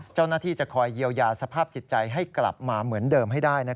เจ้าหน้าที่จะคอยเยียวยาสภาพจิตใจให้กลับมาเหมือนเดิมให้ได้